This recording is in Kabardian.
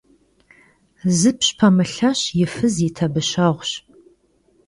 Zipş pemılheş yi fız yi tabışeğuş.